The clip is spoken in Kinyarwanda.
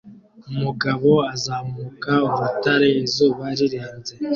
Umugabo azamuka urutare izuba rirenze